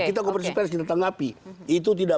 kita konversi pers kita tanggapi itu tidak